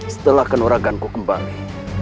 setelah kanuraganku kembali